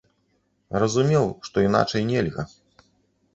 Разумеў, што іначай нельга.